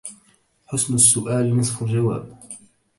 حسن السّؤال نصف الجواب.